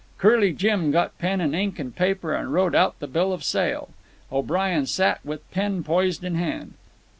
Curly Jim got pen and ink and paper and wrote out the bill of sale. O'Brien sat with pen poised in hand.